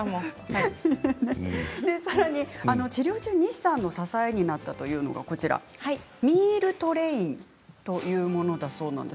さらに治療中西さんの支えになったのがミールトレインというものだそうです。